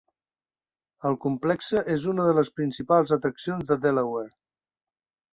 El complexe és una de las principals atraccions de Delaware.